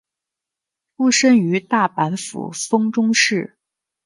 出身于大阪府丰中市。